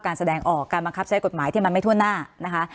แสดงออกการบังคับใช้กฎหมายที่มันไม่ทั่วหน้านะคะ